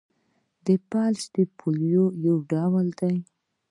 فلج د پولیو یو ډول دی.